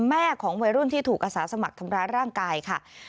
แม่ของวัยรุ่นที่ถูกอาสาสมัครทำร้ายร่างกายค่ะ